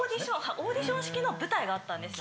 オーディション式の舞台があったんですよ。